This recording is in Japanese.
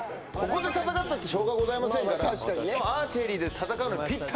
ここで戦ったってしょうがございませんから。